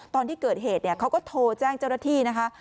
ตอนที่เกิดเหตุเขาก็โทรแจ้งเจ้าหน้าที่นะคะ